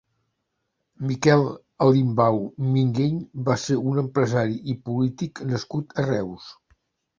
Miquel Alimbau Minguell va ser un empresari i polític nascut a Reus.